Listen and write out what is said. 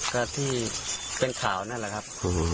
ก็ที่เป็นข่าวนั่นแหละครับ